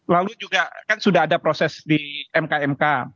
lalu juga kan sudah ada proses di mk mk